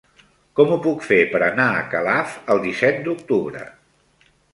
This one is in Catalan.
Com ho puc fer per anar a Calaf el disset d'octubre?